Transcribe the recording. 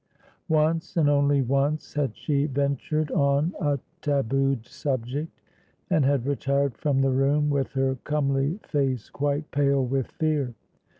Once, and once only, had she ventured on a tabooed subject, and had retired from the room with her comely face quite pale with fear.